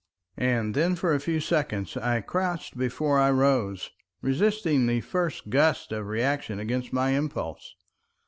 And then for a few seconds I crouched before I rose, resisting the first gust of reaction against my impulse.